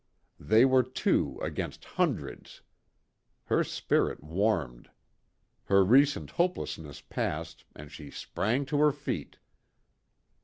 They were two against hundreds. Her spirit warmed. Her recent hopelessness passed and she sprang to her feet.